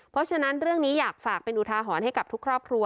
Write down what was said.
เพราะฉะนั้นเรื่องนี้อยากฝากเป็นอุทาหรณ์ให้กับทุกครอบครัว